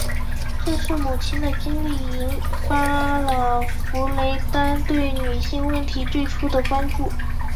正是母亲的经历引发了弗里丹对女性问题最初的关注。